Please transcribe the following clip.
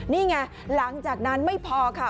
นี่ไงหลังจากนั้นไม่พอค่ะ